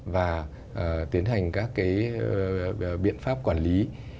và tiến hành các biện pháp quản lý